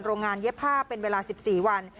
โรงงานเย็บผ้าเป็นเวลา๑๔วัน